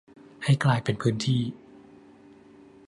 ให้กลายเป็นพื้นที่